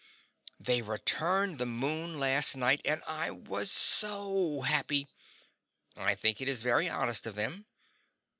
They returned the moon last night, and I was SO happy! I think it is very honest of them.